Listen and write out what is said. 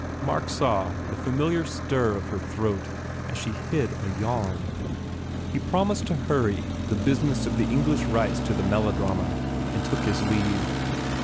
Mark saw the familiar stir of her throat as she hid a yawn. He promised to hurry the business of the English rights to the melo drama and took his leave.